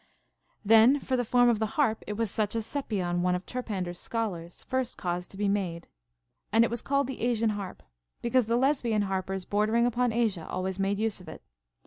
Then for the form 108 CONCERNING MUSIC. of the harp, it was such as Cepion, one of Terpander's scholars, first caused to be made, and it was called the Asian harp, because the Lesbian harpers bordering upon Asia always made use of it.